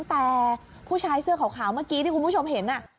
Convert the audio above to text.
แต่ผู้ชายเสื้อขาวเมื่อกี้ที่คุณผู้ชมเห็น